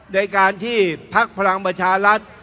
ในการที่พักพลังประชารัฐ